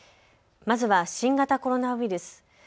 まずは新型コロナウイルス。